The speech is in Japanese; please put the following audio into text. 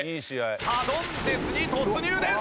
サドンデスに突入です！